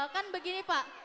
kan begini pak